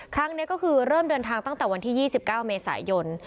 ครั้งนี้ก็คือเริ่มเดินทางตั้งแต่วันที่๒๙เมษายน